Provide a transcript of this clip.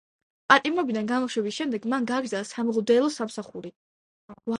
პატიმრობიდან გამოშვების შემდეგ მან გააგრძელა სამღვდელო სამსახური.